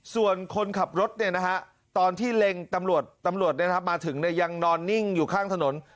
ส่วนคนขับรถตอนที่เล็งตำรวจตำรวจมาถึงยังนอนนิ่งอยู่ข้างถนน